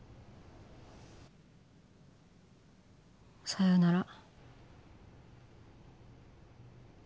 さようなら